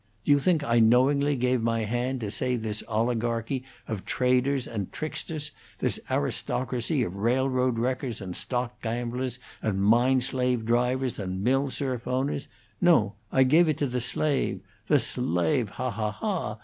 Do you think I knowingly gave my hand to save this oligarchy of traders and tricksters, this aristocracy of railroad wreckers and stock gamblers and mine slave drivers and mill serf owners? No; I gave it to the slave; the slave ha! ha!